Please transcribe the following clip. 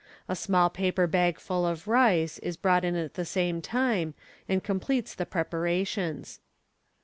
A small paper bag full of rice is brought in at the same time, and completes the prepara tions.